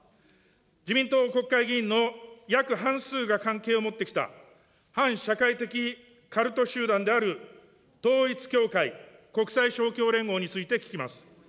自民党国会議員の約半数が関係を持ってきた反社会的カルト集団である統一教会・国際勝共連合について聞きます。